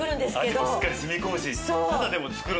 味もしっかり染み込むし。